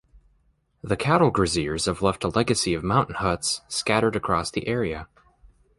The cattle graziers have left a legacy of mountain huts scattered across the area.